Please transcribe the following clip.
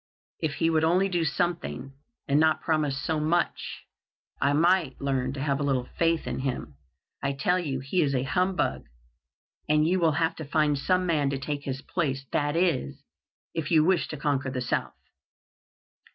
If he would only do something, and not promise so much, I might learn to have a little faith in him. I tell you he is a humbug, and you will have to find some man to take his place, that is, if you wish to conquer the South."